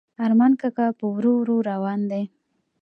ارمان کاکا په ورو ورو روان دی.